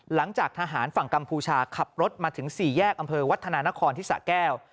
หลังจากทหารฝั่งกัมพูชาขับรถมาถึง๔แยกอำเภอวัฒนานครที่สะแก้ว